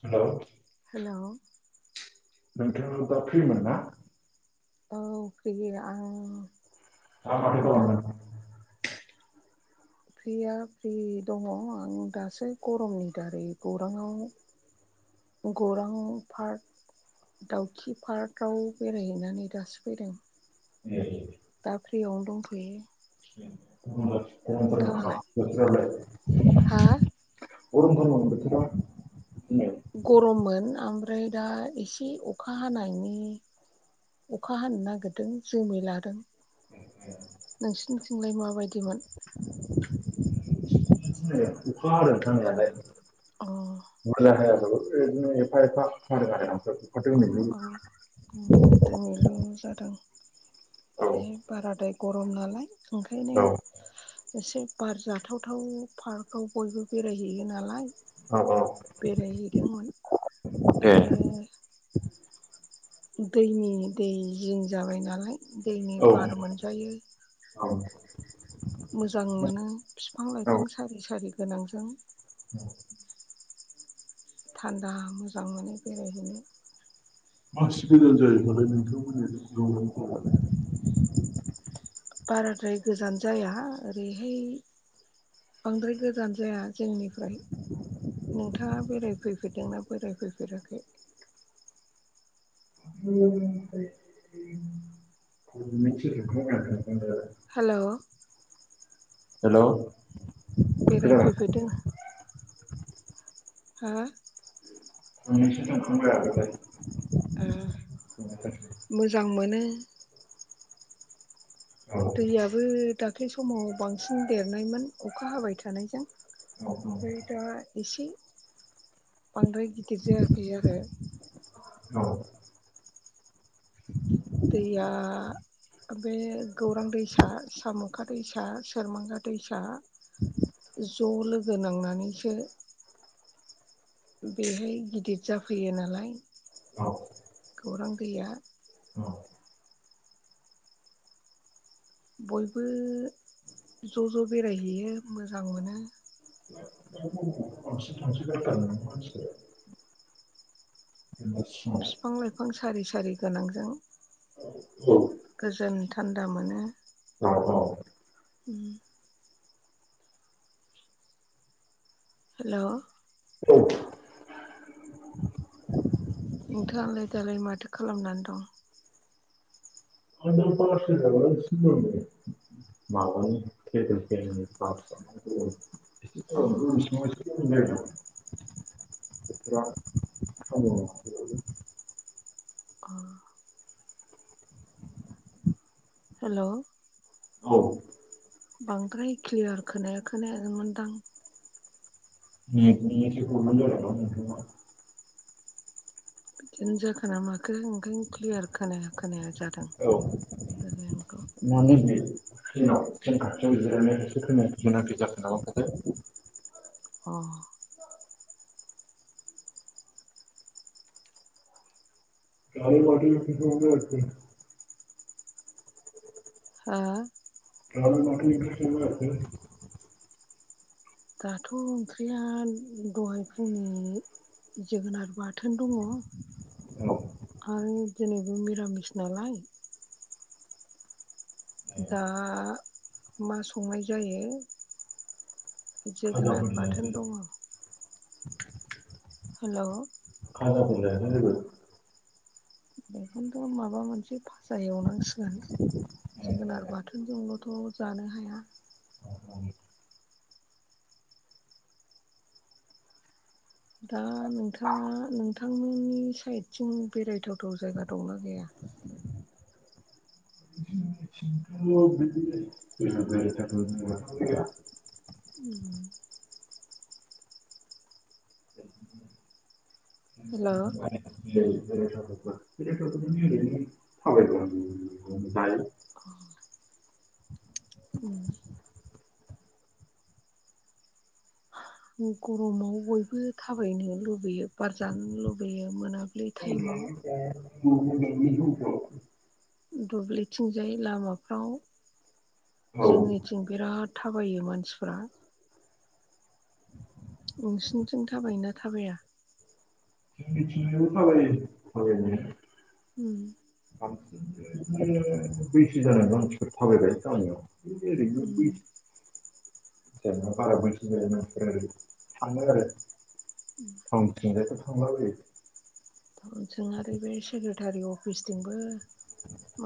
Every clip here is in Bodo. हेलौ। हेल'। नोंथाङा दा फ्रि मोन्ना। औ फैयो आं दा [unintelligible] फ्रिया फ्रि दंङ आं दासो गरमनि दारै गौरांङाव गौरां पार्क दाउखि पार्कआव बेरायहैनानै दासो फैदों। [inaudible] दा फ्रियावनो दंथयो। नोंथाङालाय [unintelligible] हा [unintelligible] दिनै गरममोन ओमफ्राय दा एसे अखा हानायनि अखा हानो नागिरदों जोमै लादों नोंसोरनिथिंलाय माबायदिमोन अखा हादों हानायालाय अ बुरजा हायाखै बिबादिनो एफा एफा हादों आरोना अ अ दोनमैलु जादों औ बे बारादाय गरम नालाय ओंखायनो औ एसे बार जाथावथाव पार्कआव बयबो बेरायहैयो नालाय औ बेरायहैदोंमोन ए ओ दैनि दै जिं जाबाय नालाय दैनि औ बार मोनजायो। औ मोजां मोनो बिफां औ लाइफां सारि सारि गोनांजों [inaudible] थान्दा मोजां मोनो बेरायहैनो। [unintelligible] बाराद्राय गोजान जाया ओरैहाय बांद्राय गोजान जाया जोंनिफ्राय नोंथाङा बेरायफैफेरदोंना बेरायफैफेराखै? [unintelligible] हेल' हेल' बेरायफैफेरदों हो [unintelligible] ओ मोजां मोनो। औ दैयाबो दाख्लै समाव बांसिन देरनायमोन अखा हाबाय थानायजों औ ओमफ्राय दा एसे बांद्राय गिदिर जायाखै आरो औ दैया बे गौरां दैसा, साम'खा दैसा, सोरमांगा दैसा ज' लोगो नांनानैसो बेहाय गिदिर जाफैयो नालाय औ गौरां दैया औ बयबो ज' ज' बेरायहैयो मोजां मोनो। [unintelligible] [unintelligible] बिफां लाइफां सारि सारि गोनांजों [unintelligible] गोजोन थान्दा मोनो औ औ उम हेल' [unintelligible] नोंथांआलाय दालाय माथो खालामनानै दं? [unintelligible] [unintelligible] अ [unintelligible] [unintelligible] [unintelligible] हेल'। औ। बांद्राय क्लियार खोनाया खोनाया मोनदां। [unintelligible] बिदिनो जाखोना माखो क्लियार खोन [unintelligible] [unintelligible] अ। [unintelligible] हो। दालाय माथो ओंख्रि संनो नागिरखो? दाथ' ओंख्रिया दहाय फुंनि जोगोनार बाथोन दङ। आरो दिनैबो मिरामिस नालाय। दा मा संनाय जायो? जोगोनथ खाजाफोरजोंसो बाथोन दङ। हेल'। [unintelligible] जेबो बेखौनोथ' माबा मोनसे जा एवनांसिगोन, जोगोनार बाथोनजोंल'थ' जानो हाया। [unintelligible] दा नोंथाङा नोंथांमोननि साइडथिं बेरायथावथाव जायगा दंना गैया? [unintelligible] उ। हेल' [unintelligible] [unintelligible] [inaudible] उ। गरमाव बयबो थाबायनो लुबैयो। बार जानो लुबैयो मोनाबिलि टाइमाव। [unintelligible] दुब्लिथिंजाय लामाफ्राव औ जोंनि थिं बिराद थाबायो मानसिफ्रा। नोंसिोरनिथिं थाबाय ना थाबाया? [unintelligible] थाबायो थाबायनाया। उम। [unintelligible] ओरैनो बै जेनेबा बारा बैसो जायै मसिफोर आरो थाङो आरो। [unintelligible] थाउनथिंजायबो थांलाबायो टाउन सों आरो बे सेक्रेटारि अफिसथिंबो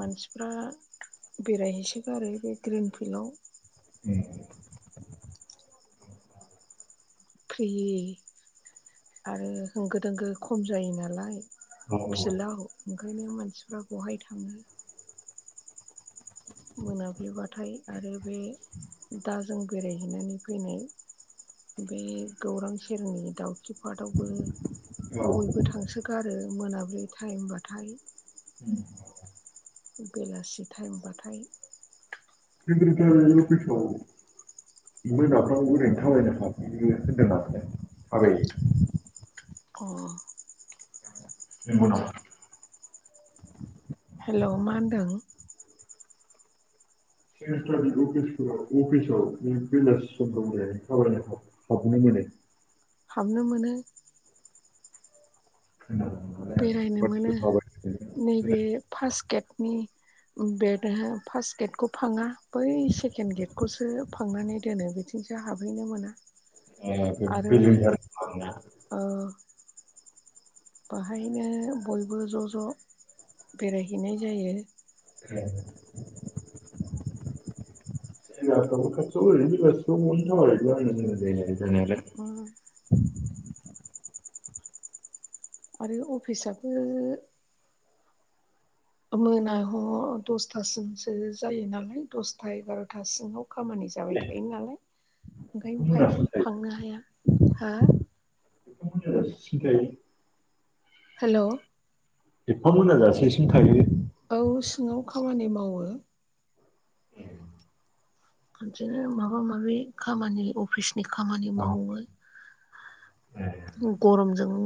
मानसिफ्रा बेरायहैसोगारो बे ग्रिन फिल्डआव उम फ्रियै आरो होंगो दोंगो खम जायो नालाय औ फिल्डाव ओंखायनो मानसिफ्रा बहाय थाङो मोनाब्लिआव बाथाय आरो बे दाजों बेरायहैनानै फैनाय बे गौरां सेरनि दाउखि फाटावबो औ बयबो थांसोगारो मोनाब्लि टाइमबाथाय उम बेलासि टाइमबाथाय [unintelligible] बबो नाफ्रामबो नेंथाबालायनो हाबनो होन्दों नाय थाबै अ [unintelligible] हेलौ मा होनदों सि अिस अफिसाव नोंलास समनानै खावलायनो हाब हाबनो मोनो हाबनो मोनो खोनादोंना बेरायनो मोनो नै बे फासस्ट गेटनि बे फास्स गेटखौ फाङा बै सेकेन्ड गेटखौसो फांनानै दोनो बिथिंसो हाबैनो मोना ए [unintelligible] औ बाहायनो बयबो ज' ज' बेरायहैनाय जायो ए [unintelligible] उम आरो अफिसाबो मोना ह दसथासिमसो जायो नालाय दसथा एगार'था सिमाव खामानि जाबाय थायो एफा नालाय मोनासिम ओंखायनो थायो फांनो हाया हो [unintelligible] हेलौ एफा मोनाजासेसिम थायो औ सिङाव खामानि मावो ए बिदिनो माबा माबि खामानि अफिसनि खामानि मावोमोन गरमजों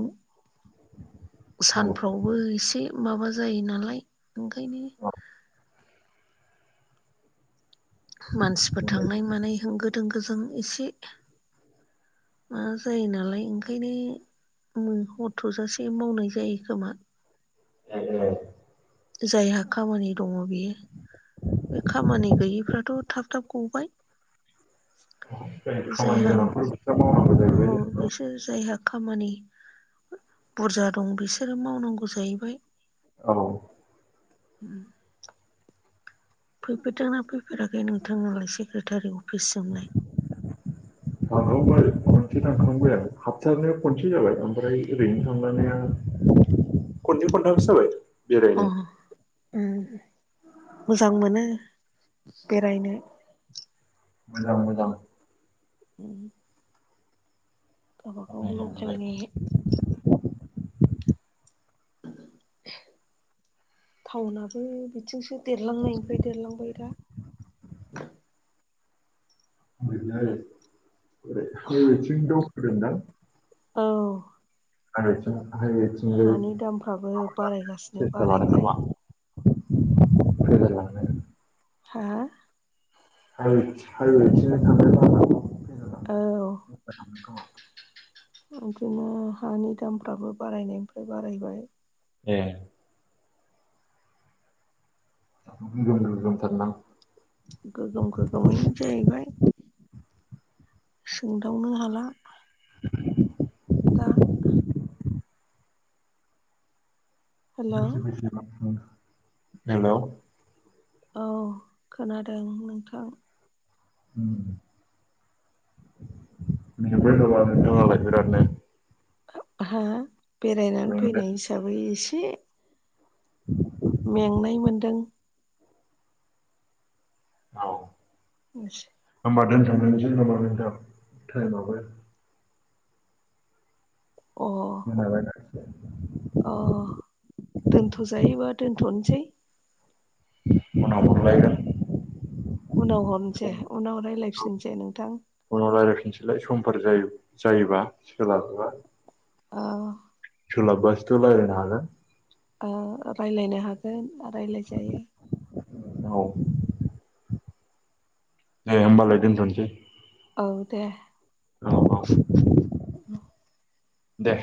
औ सानफ्राव बो एसे माबा जायो नालाय ओंखायनो औ मानसिफोर थांनाय मानाय होंगो दोंगोजों एसे माबा जायो नालाय ओंखायनो हर थ'जासे मावनाय जायो खोमा ए ए जायहा खामानि दङ बियो बे खामानि गैयिफ्राथ' थाब थाब गबाय। बेलेग खामानि जायहा गोनांफोरा थाब थाब मावनांगौ औ जाहैबाय। बिसोर जायहा खामानि बुरजा दं बिसोरो मावनांगौ जाहैबाय। औ। उम। फैफेरदोंना फैफेराखै नोंथांङालाय सेक्रेटारि अफिस सिमलाय? [unintelligible] थांखांबाय आरो खनसे थांखांबाय आरो हाबथारनाया खनसे जाबाय ओमफ्राय ओरैनो थांलानाया खननै खनथामसो जाबाय। अ बेरायनो उम मोजां मोनो बेरायनो। मोजां मोजां उम। गावबा गाव लकेलनि टाउनाबो बिथिंसो। देरलांनायनिफ्राय देरलांबाय दा। ओरै थावनथिं दावखोदोंदां? औ। हानि दामफ्राबो बारायगासिनो बारायबाय [unintelligible] [unintelligible] हा? [unintelligible] औ। फेदेरलांनो सेस्था खालामदों खोमा आगोमा हानि दामफ्राबो बारायनायनिफ्राय बारायबाय। ए। गोगोम गोगोम दंथारोदां? गोगोम गोगोमैनो जाहैबाय। सोंदावनो हाला। [unintelligible] दा हेलौ बेसे बेसे थांखो हेल' औ खोनादों नोंथां। उम मेंबाय नामा नोंथाङालाय बिरादनो? हा बेरायनानै मेंनो फैनाय हिसाबै एसे मेंनाय मोनदों। औ। [unintelligible] होमबा दोनथनोसै नामा नोंथां टाइमाबो अ खोनाबायना? अ दोन्थ'जायोबा दोन्थ'नोसै। उनाव हरलायगोन। उनाव हरनोसै सम उनाव रायलायफिननोसै नोंथां? उनाव रायज्लायफिनसैलाय समफोर जायो जायोबा सोलाबोबा। औ। सोलाबासोथ' रायलायनो हागोन। अ रायलायनो हागोन रायलाय जायो। औ। दे होमबालाय दोनथ'नोसै। औ दे। औ औ। [unintelligible] दे।